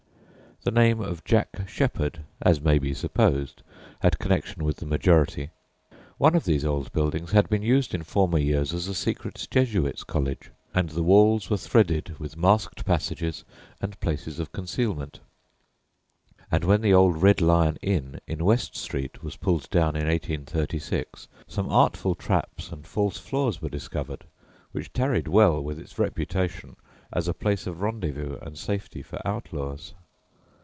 The name of Jack Sheppard, as may be supposed, had connection with the majority. One of these old buildings had been used in former years as a secret Jesuits' college, and the walls were threaded with masked passages and places of concealment; and when the old "Red Lion Inn" in West Street was pulled down in 1836, some artful traps and false floors were discovered which tarried well with its reputation as a place of rendezvous and safety for outlaws.